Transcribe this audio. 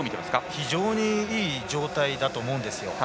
非常にいい状態だと思うんですよ。